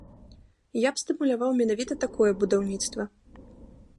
Я б стымуляваў менавіта такое будаўніцтва.